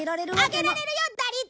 上げられるよ打率！